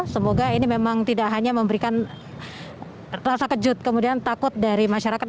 semoga ini memang tidak hanya memberikan rasa kejut kemudian takut dari masyarakat